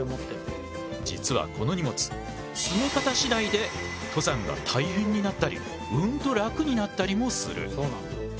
実はこの荷物詰め方次第で登山が大変になったりうんと楽になったりもする。